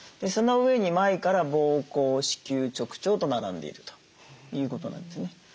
その上に前から膀胱子宮直腸と並んでいるということなんですね。